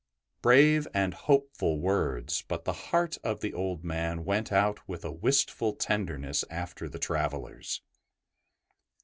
Brave and hopeful words, but the heart of the old man went out with a wistful tenderness after the travellers.